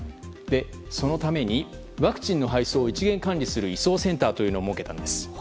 そのためにワクチンの配送を一元管理する移送センターを設けたんです。